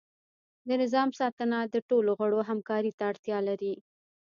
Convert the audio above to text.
د نظام ساتنه د ټولو غړو همکاری ته اړتیا لري.